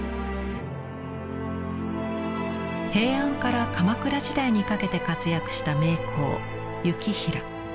平安から鎌倉時代にかけて活躍した名工行平。